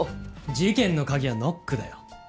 事件の鍵はノックだよ。